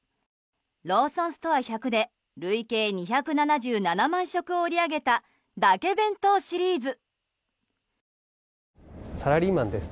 ローソンストア１００で累計２７７万食を売り上げただけ弁当シリーズ。